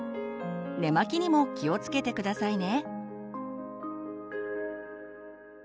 寝巻きにも気をつけて下さいね。